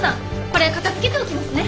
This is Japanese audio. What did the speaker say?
これ片づけておきますね。